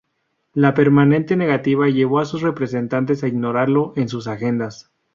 La permanente negativa llevó a sus representantes a ignorarlo en sus agendas.